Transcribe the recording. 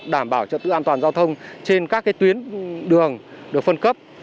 đảm bảo trật tự an toàn giao thông trên các tuyến đường được phân cấp